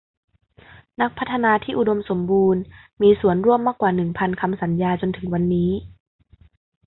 นักพัฒนาที่อุดมสมบูรณ์มีส่วนร่วมมากกว่าหนึ่งพันคำสัญญาจนถึงวันนี้